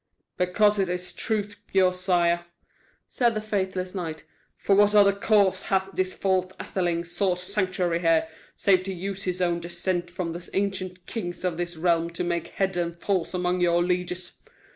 "Because of its truth, beausire," said the faithless knight. "For what other cause hath this false Atheling sought sanctuary here, save to use his own descent from the ancient kings of this realm to make head and force among your lieges?